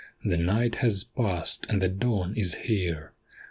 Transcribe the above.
The night has passed and the dawn is here.